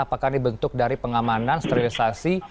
apakah ini bentuk dari pengamanan sterilisasi